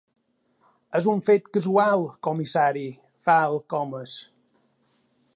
És un fet casual, comissari —fa el Comas—.